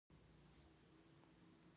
هلته په سلګونو ژبې ویل کیږي.